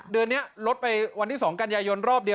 เดือนนี้ลดไปวันที่๒กันยายนรอบเดียว